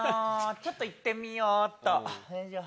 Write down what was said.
ちょっと行ってみようっと。